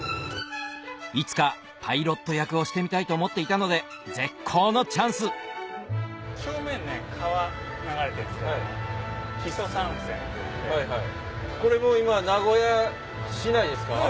いつかパイロット役をしてみたいと思っていたので絶好のチャンスそうです